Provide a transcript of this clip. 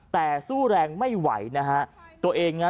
แต่สู้แรงไม่ไหวนะฮะตัวเองนะ